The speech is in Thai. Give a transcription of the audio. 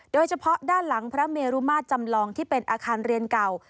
โดยเฉพาะด้านหลังพระเมรุมาตรจำลองที่เป็นอาคารเรียนเก่า